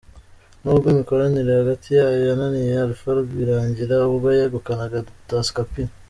N’ubwo imikoranire hagati yayo yananiye Alpha Rwirangira ubwo yegukanaga Tusker P.